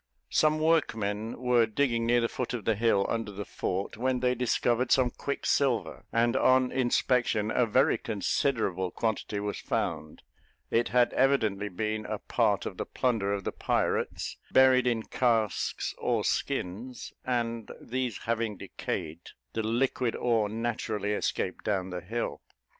Some workmen were digging near the foot of the hill under the fort, when they discovered some quicksilver, and on inspection, a very considerable quantity was found; it had evidently been a part of the plunder of the pirates, buried in casks or skins, and these having decayed, the liquid ore naturally escaped down the hill.